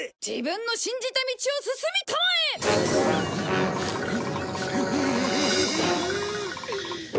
自分の信じた道を進みたまえ！